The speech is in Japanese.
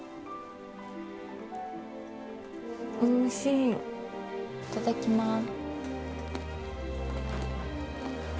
いただきます。